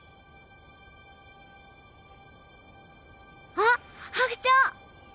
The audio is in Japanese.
あっ白鳥！